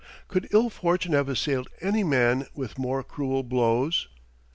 Could ill fortune have assailed any man with more cruel blows?